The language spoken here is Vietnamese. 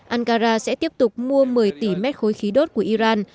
ankara sẽ tiếp tục mua một mươi tỷ mét khối khí đốt của iran